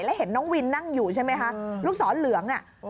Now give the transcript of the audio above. แล้วเห็นน้องวินนั่งอยู่ใช่ไหมคะลูกศรเหลืองอ่ะ